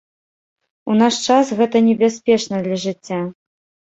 У наш час гэта небяспечна для жыцця!